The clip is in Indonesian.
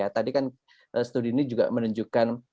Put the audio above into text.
tadi kan studi ini juga menunjukkan